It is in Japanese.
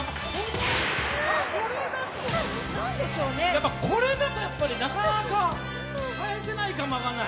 やっぱこれだとなかなか返せないかも分かんない。